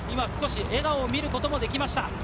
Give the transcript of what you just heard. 少し今、笑顔を見ることができました。